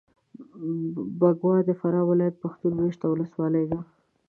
بکوا د فراه ولایت پښتون مېشته ولسوالي ده.